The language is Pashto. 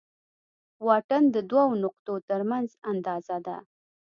واټن د دوو نقطو تر منځ اندازه ده.